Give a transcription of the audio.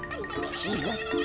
ちがった。